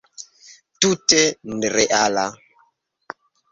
Tute nereala!